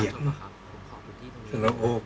ก็ต้องทำอย่างที่บอกว่าช่องคุณวิชากำลังทำอยู่นั่นนะครับ